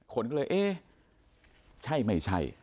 คนก็เลยเอ๊ะใช่ไม่ใช่